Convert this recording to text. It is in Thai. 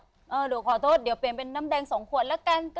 หนูขอโทษเดี๋ยวเปลี่ยนเป็นน้ำแดง๒ขวดละกัน